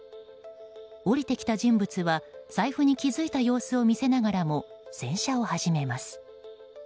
降りてきた人物は財布に気付いた様子を見せながらも洗車を始めます。